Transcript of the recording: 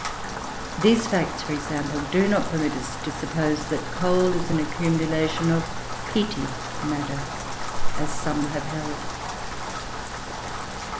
These facts, for example, do not permit us to suppose that coal is an accumulation of peaty matter, as some have held.